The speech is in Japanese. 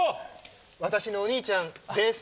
私のお兄ちゃんです。